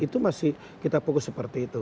itu masih kita fokus seperti itu